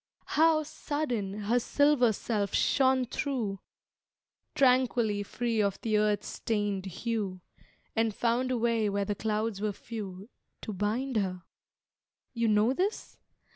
How, sudden, her silver self shone thro, Tranquilly free of the earth's stained hue, And found a way where the clouds were few To bind her? You know this?